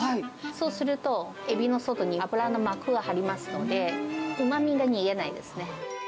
そうすると、エビの外に油の膜が張りますので、うまみが逃げないですね。